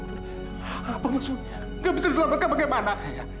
gak bisa diselamatkan bagaimana